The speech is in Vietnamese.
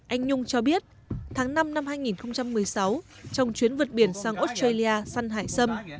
anh nhung cho biết tháng năm năm hai nghìn một mươi sáu trong chuyến vượt biển sang australia săn hải sâm